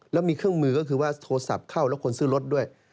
แล้วมีเครื่องมือก็คือว่าโทรศัพท์เข้าแล้วคนซื้อรถด้วย